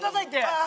ああ！